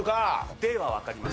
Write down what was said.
Ｄはわかります。